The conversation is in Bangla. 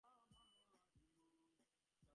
তা ও বে ফিরেছে!